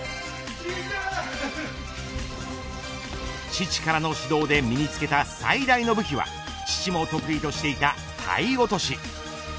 父からの指導で身に付けた最大の武器は父も得意としていた体落。